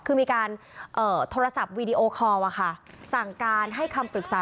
คือมีการโทรศัพท์วีดีโอคอลสั่งการให้คำปรึกษา